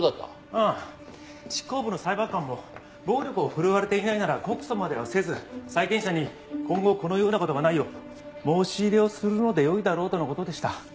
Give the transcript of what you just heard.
ああ執行部の裁判官も暴力を振るわれていないなら告訴まではせず債権者に今後このような事がないよう申し入れをするので良いだろうとの事でした。